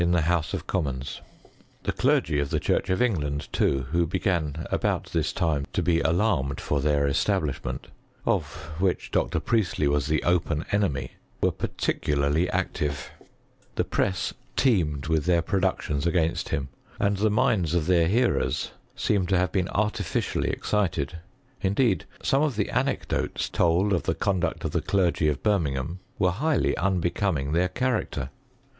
the house of commons. The cleigy of the church' of England, too, who began about this time to bft" alarmed for their establishment, of which Dr. Priest ; ley was the open enemy, were particularly active; the press teemed with their productions against him,' and the minds of their hearers seem to have beea> artificially excited; indeed some of the anecdote* told of the conduct of the clergy of Birmingham, were highly unbecoming their character.